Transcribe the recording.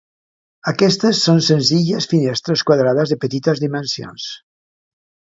Aquestes són senzilles finestres quadrades de petites dimensions.